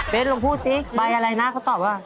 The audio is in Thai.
เบ๊ย์ลงพูดสิใส่อะไรนะเขาตอบว่า